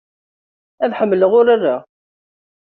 Ad ḥemmleɣ urar-a.